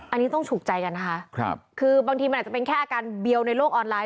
อันนี้ต้องฉุกใจกันนะคะคือบางทีมันอาจจะเป็นแค่อาการเดียวในโลกออนไลน